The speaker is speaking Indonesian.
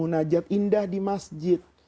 bermunajat indah di masjid